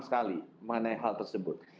sekali mengenai hal tersebut